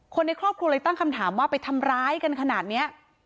คนในครอบครัวเลยตั้งคำถามว่าไปทำร้ายกันขนาดนี้